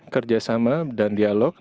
kerja sama dan dialog